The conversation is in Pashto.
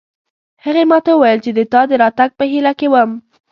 هغې ما ته وویل چې د تا د راتګ په هیله کې وم